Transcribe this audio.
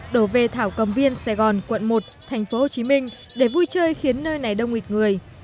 đổ về thảo cầm viên sài gòn quận một thành phố hồ chí minh để vui chơi khiến nơi này đông nghịch người